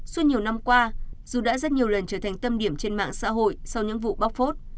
suốt nhiều năm qua dù đã rất nhiều lần trở thành tâm điểm trên mạng xã hội sau những vụ bóc phốt